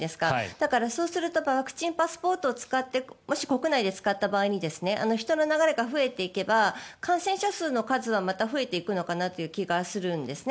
だから、そうするとワクチンパスポートを使ってもし国内で使った場合人の流れが増えていった時に感染者数の数はまた増えていくのかなという気がするんですね。